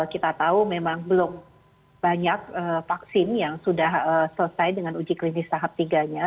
kita tahu memang belum banyak vaksin yang sudah selesai dengan uji klinis tahap tiga nya